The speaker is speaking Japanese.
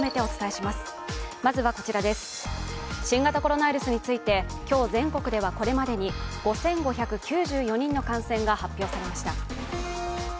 新型コロナウイルスについて今日全国ではこれまでに５５９４人の感染が発表されました。